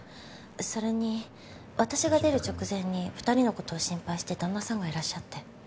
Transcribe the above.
それに私が出る直前に２人の事を心配して旦那さんがいらっしゃって。